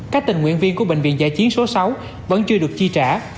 các tình nguyện viên của bệnh viện giải chiến số sáu vẫn chưa được chi trả